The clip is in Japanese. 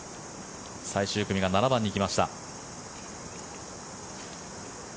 最終組が７番に来ました。